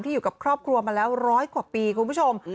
อยู่กับครอบครัวมาแล้วร้อยกว่าปีคุณผู้ชม